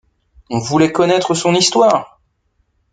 On voulait connaître son histoire.